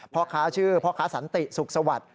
พ่อค้าชื่อพ่อค้าสันติสุขสวัสดิ์